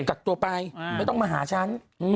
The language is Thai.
กักตัวไปไม่ต้องมาหาฉัน